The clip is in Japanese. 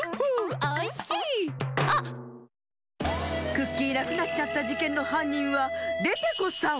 クッキーなくなっちゃったじけんのはんにんはデテコさん！